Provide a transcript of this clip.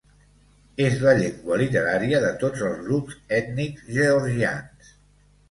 És la llengua literària de tots els grups ètnics georgians.